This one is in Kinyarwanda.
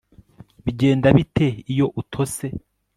bigenda bite iyo utose